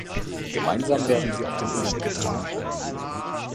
Gemeinsam werden sie auf den Olymp getragen.